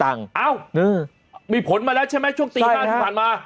เอ้ามีผลมาแล้วใช่ไหมช่วงตี๕ที่ผ่านมา